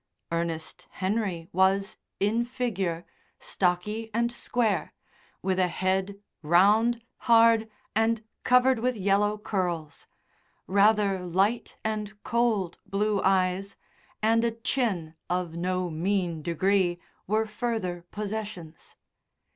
Ernest Henry was, in figure, stocky and square, with a head round, hard, and covered with yellow curls; rather light and cold blue eyes and a chin of no mean degree were further possessions.